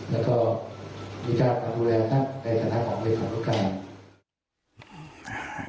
แล้วก็มีการรับดูแลท่านในสถานทางของบริษัทประการ